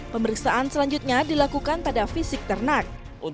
pemeriksaan selanjutnya dilakukan pada fisik ternak